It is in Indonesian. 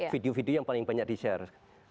video video yang paling banyak di share